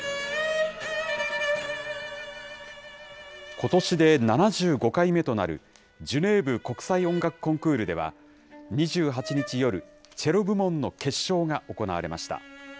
ことしで７５回目となるジュネーブ国際音楽コンクールでは、２８日夜、チェロ部門の決勝が行われました。